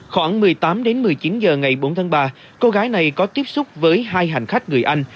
khoảng một mươi tám đến một mươi chín h ngày bốn tháng ba cô gái này có tiếp xúc với hai hành khách người anh